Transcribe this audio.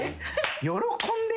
喜んでや。